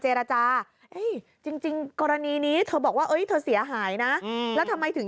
เจรจาจริงกรณีนี้เธอบอกว่าเธอเสียหายนะแล้วทำไมถึง